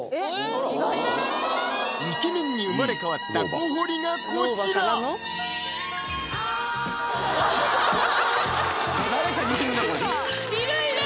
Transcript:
イケメンに生まれ変わった小堀がこちら誰かに似てるなこれいる